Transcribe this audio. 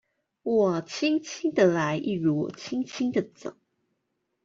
我輕輕地來一如我輕輕的走